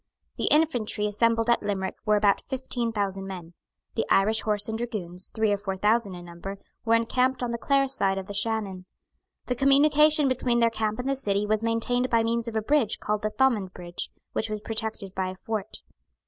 The infantry assembled at Limerick were about fifteen thousand men. The Irish horse and dragoons, three or four thousand in number, were encamped on the Clare side of the Shannon. The communication between their camp and the city was maintained by means of a bridge called the Thomond Bridge, which was protected by a fort.